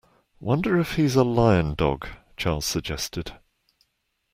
Wonder if he's a lion dog, Charles suggested.